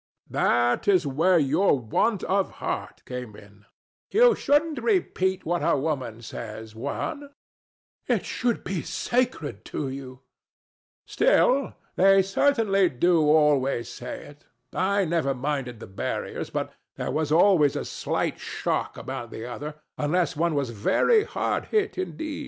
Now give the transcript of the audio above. That is where your want of heart came in. THE STATUE. [shaking his head] You shouldn't repeat what a woman says, Juan. ANA. [severely] It should be sacred to you. THE STATUE. Still, they certainly do always say it. I never minded the barriers; but there was always a slight shock about the other, unless one was very hard hit indeed.